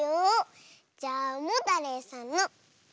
じゃあモタレイさんの「イ」。